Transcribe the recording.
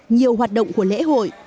nhiều hoạt động của lễ hội